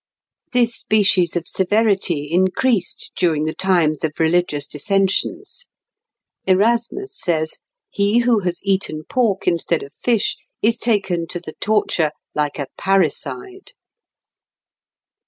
This species of severity increased during the times of religious dissensions. Erasmus says, "He who has eaten pork instead of fish is taken to the torture like a parricide."